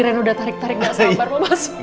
ren udah tarik tarik gak sabar mau masuk